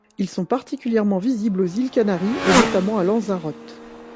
Ils sont particulièrement visibles aux îles Canaries, et notamment à Lanzarote.